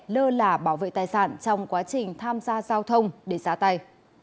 lơ lả bảo vệ tài sản trong quá trình tham gia giao thông để xá tay